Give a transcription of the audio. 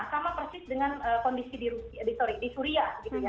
sama persis dengan kondisi di suria